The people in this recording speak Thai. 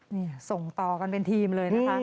นี่ส่งต่อกันเป็นทีมเลยนะคะ